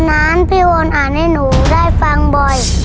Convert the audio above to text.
ฉันพิวอลอ่านให้หนูได้ฟังบ่อย